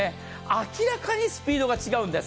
明らかにスピードが違うんです。